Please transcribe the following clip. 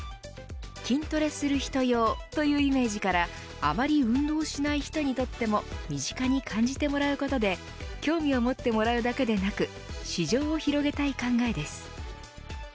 筋トレする人用というイメージからあまり運動しない人にとっても身近に感じてもらうことで興味を持ってもらうだけでなく市場を広げたい考えです。